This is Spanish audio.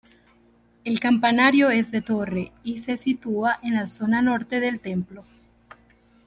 El campanario es de torre y se sitúa en la zona norte del templo.